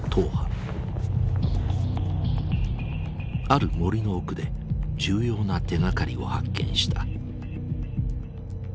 ある森の奥で重要な手がかりを発見した。